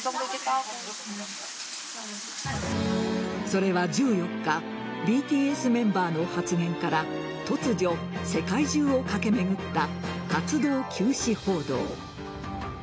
それは１４日ＢＴＳメンバーの発言から突如、世界中を駆け巡った活動休止報道。